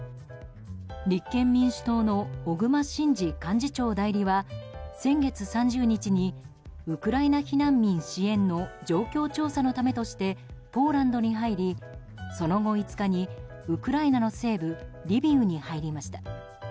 立憲民主党の小熊慎司幹事長代理は先月３０日にウクライナ避難民支援の状況調査のためとしてポーランドに入りその後、５日にウクライナの西部リビウに入りました。